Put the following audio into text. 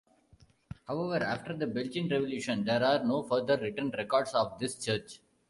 However after the Belgian revolution, there are no further written records of this church.